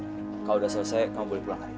kalau udah selesai kamu boleh pulang hari ini